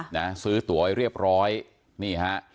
นะซื้อตัวไว้เรียบร้อยนี่ฮะ